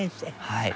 はい。